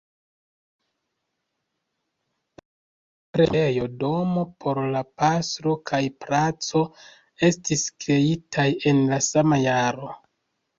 Preĝejo, tombejo, domo por la pastro kaj placo estis kreitaj en la sama jaro.